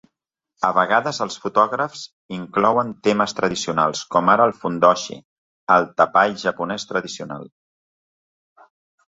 A vegades els fotògrafs inclouen temes tradicionals, com ara el fundoshi, el tapall japonès tradicional.